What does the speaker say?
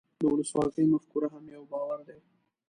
د ولسواکۍ مفکوره هم یو باور دی.